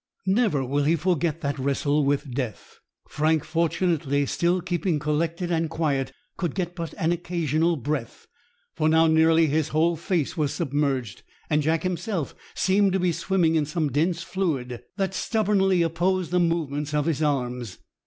Never will he forget that wrestle with death. Frank, fortunately, still keeping collected and quiet, could get but an occasional breath, for now nearly his whole face was submerged, and Jack himself seemed to be swimming in some dense fluid that stubbornly opposed the movements of his arms.